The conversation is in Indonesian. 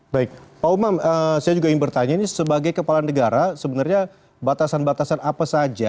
baik pak umam saya juga ingin bertanya ini sebagai kepala negara sebenarnya batasan batasan apa saja